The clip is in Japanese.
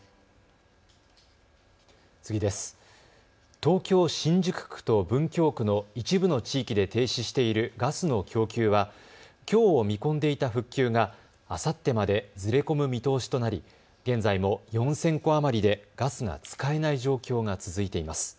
東京新宿区と文京区の一部の地域で停止しているガスの供給はきょうを見込んでいた復旧があさってまでずれ込む見通しとなり現在も４０００戸余りでガスが使えない状況が続いています。